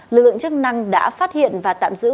lượng chức năng đã phát hiện và tạm giữ